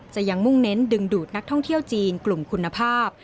ยังมุ่งเน้นดึงดูดนักท่องเที่ยวจีนกลุ่มคุณภาพ